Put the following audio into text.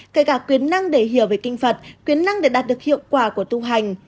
kể cả quyền năng để hiểu về kinh vật quyền năng để đạt được hiệu quả của tu hành